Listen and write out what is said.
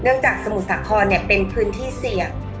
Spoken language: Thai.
จากสมุทรสาครเป็นพื้นที่เสี่ยง